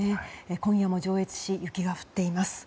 今夜も上越市は雪が降っています。